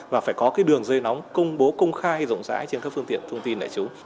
và phải có đường dây nóng công bố công khai rộng rãi trên các phương tiện thông tin